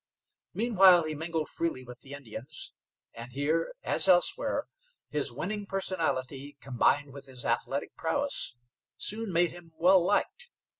Meanwhile he mingled freely with the Indians, and here, as elsewhere, his winning personality, combined with his athletic prowess, soon made him well liked.